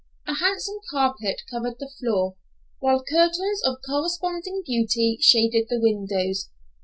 A handsome carpet covered the floor, while curtains of corresponding beauty shaded the windows.